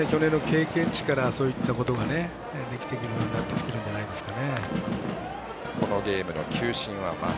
去年の経験値からそういったことができるようになってきたんじゃないですか。